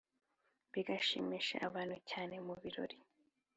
bigashimisha abantu cyane mu birori